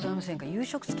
夕食付き」